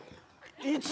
いつ？